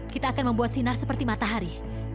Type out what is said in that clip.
kita akan membuat sinar seperti matahari